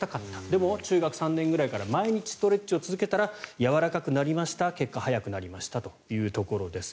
でも、中学３年ぐらいから毎日ストレッチを続けたらやわらかくなりました結果、速くなりましたということです。